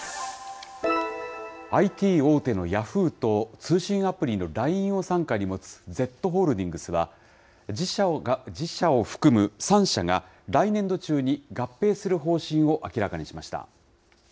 ＩＴ大手のヤフーと通信アプリのＬＩＮＥを傘下に持つＺホールディングスは、自社を含む３社が、来年度中に合併する方針を明らかにしました。